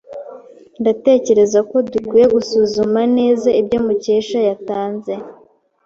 Ndatekereza ko dukwiye gusuzuma neza ibyo Mukesha yatanze.